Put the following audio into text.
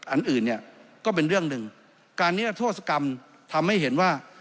อันอื่นเนี่ยก็เป็นเรื่องหนึ่งการนิรโทษกรรมทำให้เห็นว่า